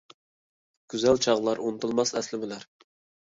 گۈزەل چاغلار، ئۇنتۇلماس ئەسلىمىلەر!